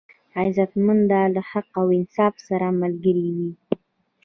غیرتمند له حق او انصاف سره ملګری وي